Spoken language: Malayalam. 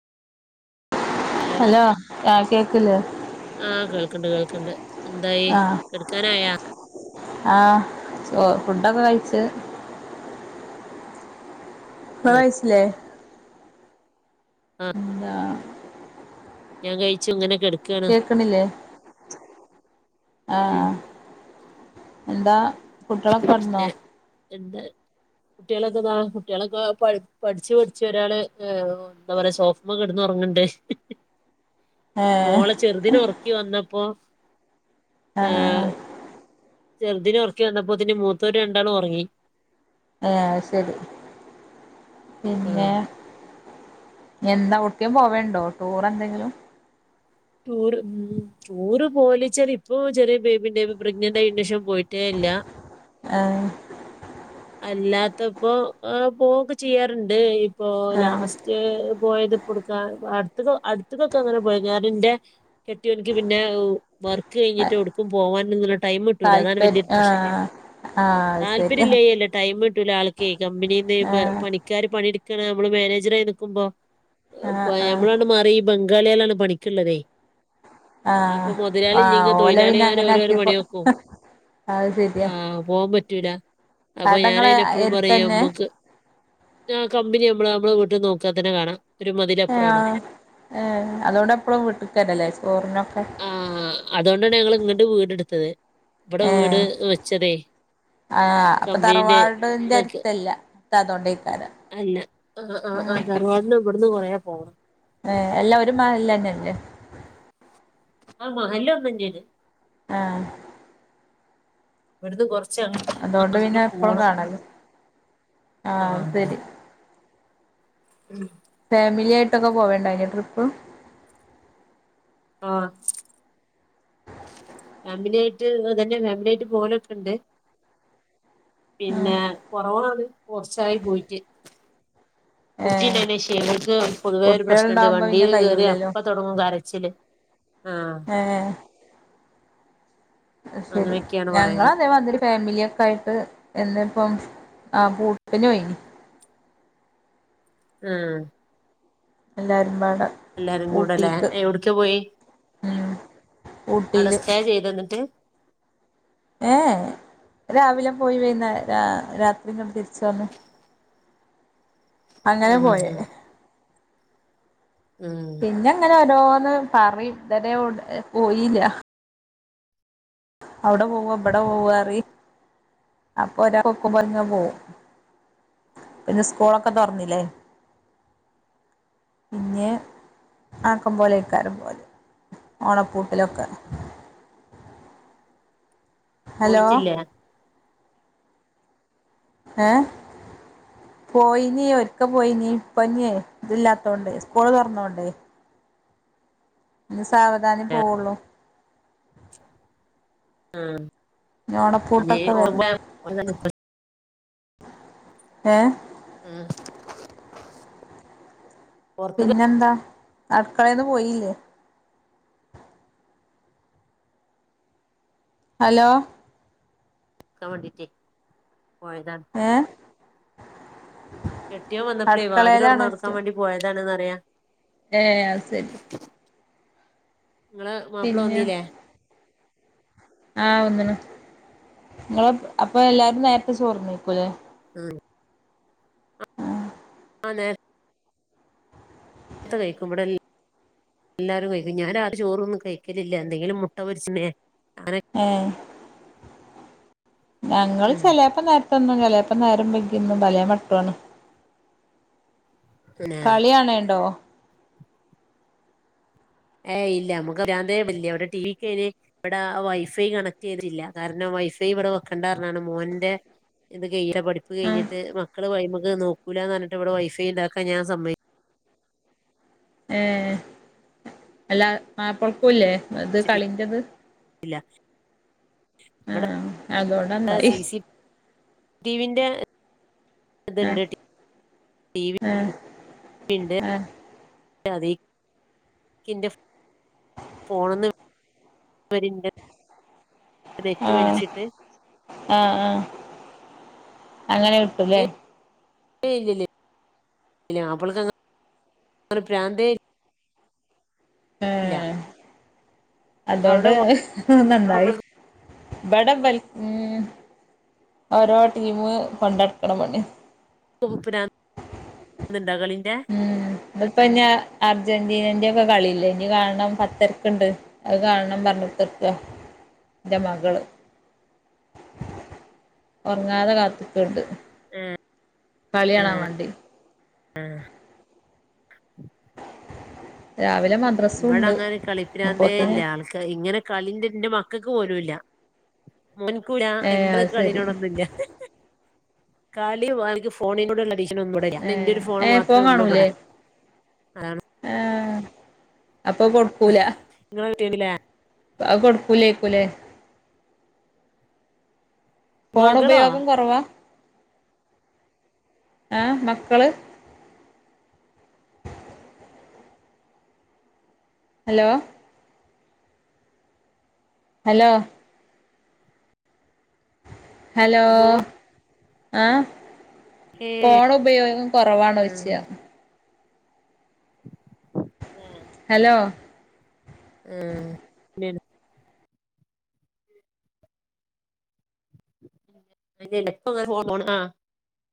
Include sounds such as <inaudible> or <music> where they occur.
ഹലോ ആ കേ ആ കേൾക്കുണ്ട് കേൾക്കുണ്ട് എന്തായി ആ കെടക്കാനായൊ ആ ചോ ഫുഡൊക്കെ കഴിച്ചു ഇപ്പോ ആഹ് വയസില്ലേ ആഹ് എന്താ ഞാൻ കഴിച്ചു ഇങ്ങനെ കെടക്കാണ് കേക്കണില്ലേ ആ ഉം എന്താ കുട്ടിളൊക്കെ കടന്നോ എന്ത കുട്ടികളൊക്കൊതാ കുട്ടികളൊക്കെ പഠിച്ചു പഠിച്ച് ഒരാൾ എന്താ പറയാ സോഫമ്മക്കേട്ന്ന് ഓർ ഉറങ്ങുണ്ട് <unintelligible> ഏ മോളെ ചെറുതിന ഒറക്കി വന്നപ്പോ ആ ഹാ ചെറുതിനെ ഒറക്കി വന്ന അപ്പൊത്തിന് മൂത്തവരെ രണ്ടാളും ഒറങ്ങി. ആഹ് അത്ശരി പിന്നെ ആഹ് എന്താ എവിടേക്കേലും പോവണ്ടോ ടൂർ എന്തെങ്കിലും ടൂർ ഉം ടൂറ് പോലിച്ചാല് ഇപ്പ ചെറിയ ബേബിന്റെ പ്രഗ്നൻറ് ആയതിനു ശേഷം പോയിട്ടേ ഇല്ല. ആഹ് അല്ലാത്തപ്പോആ പോവൊക്കെ ചെയ്യാറുണ്ട് ഇപ്പോ ആ ലാസ്റ്റ് പോയത് കൊടുക്കാ അടുത്ത അടുത്തതൊക്കെ അങ്ങനെ പോയി ഞാൻ എന്റെ കെട്ടിയോൻ ക് പിന്നെ ഉ വർക്ക് കഴിഞ്ഞിട്ട് എവ്ടുക്കും പോവാന്ങ്ങനെ ടൈം കിട്ടൂല. അതാണ് താല്പര്യം വലിയരു ആ പ്രശ്നം. ആ അത് ശരി താല്പര്യം ആ ഇല്ലായെല്ല ട്ടൂല ആൾക്ക കമ്പനിന്ന് പണിക്കാര് പണിടുക്കണ നമ്മള് മാനേജർയി നിക്കുമ്പോ ആ ആ <unintelligible> മാറി ഈ ബംഗാളികളാണ് പണിക്കുള്ളതേ ആ അപ്പൊ ആ മുതലാളില്ലിങ്ങൽ ഓലെ പിന്നെ തൊഴിലാളിമാർ അങ്ങനെ ഓരോരോ ആക്കിയപ്പോ പണി നെക്കും അത് ആ ശരിയാ പോവാൻ പറ്റൂല അപ്പൊ ഞൻ കടങ്ങള് അയിന് എപ്പഴും പറയും എടുത്തന്നെ നമ്മക്ക് ആ കമ്പനി ഇവിടെ നമ്മള് വീട്ടീന്ന് നോക്കിയാ തന്നെ കാണാം ഒരു ആ മതിലപ്പുറാണ് ഏ അതോടെ എപ്പഴും വിട്ടക്കാരല്ലേ ചോറിനൊക്കെ ആ അതുകൊണ്ടാണ് ഞങ്ങൾ ഇങ്ങണ്ട് വീട് എടുത്തത് ഇവിടെ വീട് ഏഹ് വെച്ചതേ ആഹ് അപ്പൊ കമ്പനീന്റെ തറവാടന്റെ ഇതൊക്കെ അരുത്തല്ല ഇ അതുകൊണ്ട് ഈ കാര്ം അല്ല ആ ആ ആ തറവാടിന് ഇവിടുന്ന് കൊറയാ പോണം. ഏ എല്ലാ ഒരുമഹല്ലെന്നല്ലേ ആ മഹല്ലോന്നുംഞെയ്ത്. ആ ഇവിടുന്ന് കെറച്ച് <unintelligible> അതോണ്ട് അങ്ങോട്ട് പിന്നെ എപ്പളും പോണം കാണല്ലോ ആ ആഹ് അത് ശരി <unintelligible> ഉം ഫാമിലി ആയിട്ടൊക്കെ പോവണ്ടയിന്നെ ട്രിപ്പ് ആ ഫാമിലിയായിട്ട് അതന്നെ ഫാമിലിയായിട്ട് പോകലൊക്കെയുണ്ട് ഉം പിന്നെ കൊറോണ വന്ന് കൊറച്ചായി പോയിട്ട് കുട്ടി ഏഹ് <unintelligible> പൊതുവേ ഒരു പ്രശ്നമുണ്ട് കുട്ട്യേള്ണ്ടാവുമ്പോ പിന്നെ വണ്ടിയില് കേയറിയാ കയ്യൂലല്ലോ അപ്പൊ തുടങ്ങും കരച്ചില് ആഹ് <inaudible> ശെരി അങ്ങനെയൊക്കെയാണ് ഞങ്ങ പറയുന്നത് അതേ മതിരി ഫാമിലിയൊക്കെ ആയിട്ട് എന്ന് പ്പം ആ പുട്ട്ന് പോയിനി ആം എല്ലാരും എല്ലാരും കൂടെല്ലേ എവിടക്ക പോയി ഉം ഊട്ടിയില് അടസ്ഥ ചെയ്ത് എന്നിട്ട് ഏ രാവിലെ പോയി <unintelligible> രാ രാത്രി ഇങ്ങോട്ടു തിരിച്ച് വന്നേ അങ്ങനെ ഉം ഉം പോയെ ഉം ഉം പിന്നെങ്ങനെ ഓരോന്ന് പറയും ഇതരെ പോയില്ല. അവുടെ പോവോഇവിടെ പോവോ അറി അപ്പൊ ഒരാ കൊക്കുമ്പത്തെ പോവും പിന്നെ സ്കൂളൊക്കെ തോറന്നില്ലേ പിന്നെ ആക്കം പോലെക്കാറും പോലെ ഓണപ്പൂട്ടിലൊക്കെ ഹലോ പോയിട്ടില്ല. ഏ പോയിനി ഒരിക്ക പോയിനി ഇപ്പൊ ഇന്നിയെ ഇതില്ലാത്തോണ്ടേ സ്കൂള് തുറന്നോണ്ടേ ഇനി സാവധാനെ പോവുള്ളൂ ആ ന്നി ഓണപുട്ടൊക്കെ വരണം ഏ ആഹ് പിന്നെന്താ അടുകളെന്ന് പോയില്ലേ ഹലോ വണ്ടിട്ടേ പോയതാണ്. ഏ കെട്ടിയോ വന്നപ്പോളേ വാതിലൊറോന്നൊടുക്കാൻ അടുക്കളയിലാണോയ്ച്ച വേണ്ടി പോയതാണെന്ന്റിയാം. ഏ അഹ്സരി നിങ്ങള് മാപ്പിള വന്നീല്ലേ ആഹ ഒന്ന നിങ്ങള അപ്പൊ എല്ലാരും നേരത്തെ ചോർന്നേക്കൂല്ലേ ആ ആനെ നേത്ത് കഴിക്കുമ്പോടല്ലേ എല്ലാരും കഴിക്കും ഞാൻ ആ ചോറും ഒന്നും കഴിക്കലില്ല എന്തെങ്കിലും മുട്ട പൊരിച്ചണേ ആഹ ഞങ്ങള്ൾ ഉം ചിലപ്പ നേരത്തെന്നു ചിലപ്പ നേരം വിക്കുന്നു ഭല മട്ടണ് പിന്നെ കളിയാണണ്ടോ ഏ ഇല്ല നമുക്ക് അറിയാത ഇവിടെ ടി വിക്ക് ഇവിടെ വൈഫൈ കണക്ട് ചെയ്തിട്ടല്ല കാരണം വൈഫൈ ഇവിടെ വെക്കേണ്ടന്നാണ് മോന്റെ ഇത് ജെ ഈ ഈ യുടെ പഠിപ്പ് ആ കഴിഞ്ഞിട്ട് മക്കള് ത് നോക്കൂലാന്ന് പറഞ്ഞിട്ട് ഇവിടെ വൈഫൈ ഉണ്ടാക്കാൻ ഞാൻ സമ്മ ഏ അല്ല മാപ്പഴക്കല്ലേ അത് സമ്മതിച്ചിട്ടില്ല കളിൻ്റത് അതോണ്ടന്നായി ഇവിടെി ടിവിന്റെ ആ ത്ണ്ട് ടി വി ആ പിണ്ട് ആ ിന്റെ ഫോണന്ന് ആഹ ആഹ ആഹ അങ്ങനെ വിട്ടല്ലേ ഇ ഇല്ലല്ല അപ്പൾക്ക പ്രാന്ത ആ അവിടെ അതുകൊണ്ട്ന്നണ്ടായി മാപ്പൾക്ക് വിടം വല ഓരോ ടീമ കൊണ്ടടുക്കണ മണി പുരാൻ ഉം ഇപ്പന്ന അർജന്റീനന്റെ ഒക്കെ കളിയില്ല എനിക്ക് കാണണം പത്തരക്കുണ്ട് അത് കാണണം പറഞ്ഞത്തെർക്ക എന്റെ മകള് ഉറങ്ങാതെ കാത്ത് നിക്കണുണ്ട് കളിയണാ വണ്ടി ആഹ രാവിലെ മദ്രസും ഇവിടെ ഉണ്ട് അങ്ങെ കളിപ്പിനാന്തേ അപ്പോത്തിന് ഇല്ല ആൾക്ക് ഇങ്ങനെ കളിന്റെന്റെ മക്ക ക്കക്ക് പോലൂല്ല മോൻകൂട ഏഹ് എന്തൊക്ക അത് ശരി കളിനോടൊ ഒന്നുംല്ല കാലിക്ക് ഫോണിന കൂടെള്ളഭ ാര എറ ഏഹ് ഒരു ഫോണ് ഏഹ് ഫോൺ മാത്രമേ ഉള്ളൂ കാണൂലേ ഇവിടെ അതാണ് ഏഹ് അപ്പൊ കൊടുക്കൂല സിംലെ അകോട കുലേ കുലേ ഫോൺ മകളോ ഉപയോഗം കുറവാ ആഹ മക്കള് ഹലോ ഹലോ ഹലോ മോ ഏ ഫോൺ ഉപയോഗം കുറവാാണ് വെച്ചിയ ആഹ് ഹലോ ആഹ അക്ക പോ